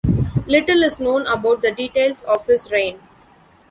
Little is known about the details of his reign.